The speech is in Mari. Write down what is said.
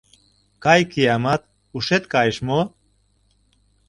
— Кай, киямат, ушет кайыш мо?